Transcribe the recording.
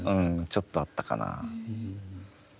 ちょっとあったかな。